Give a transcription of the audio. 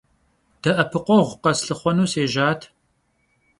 De'epıkhueğu kheslhıxhuenu sêjat.